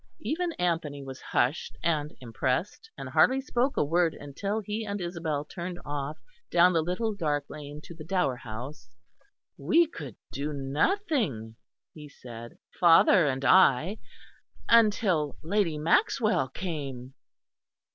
Even Anthony was hushed and impressed, and hardly spoke a word until he and Isabel turned off down the little dark lane to the Dower House. "We could do nothing," he said, "father and I until Lady Maxwell came."